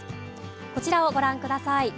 こちらをご覧ください。